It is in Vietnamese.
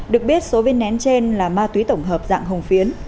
được biết số viên nén trên là ma túy tổng hợp dạng hồng phiến